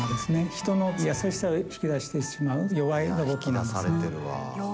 人の優しさを引き出してしまう弱いロボットなんです。